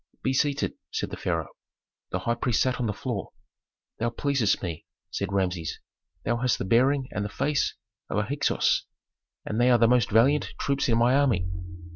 "Be seated," said the pharaoh. The high priest sat on the floor. "Thou pleasest me," said Rameses. "Thou hast the bearing and the face of a Hyksos, and they are the most valiant troops in my army."